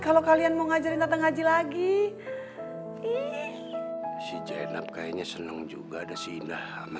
kalau kalian mau ngajarin datang ngaji lagi si jenab kayaknya seneng juga ada si indah sama